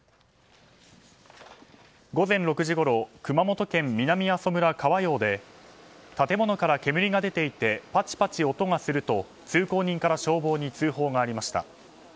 午前６時ごろ熊本県南阿蘇村河陽で建物から煙が出ていてパチパチ音がすると通行人から消防に通報がありました。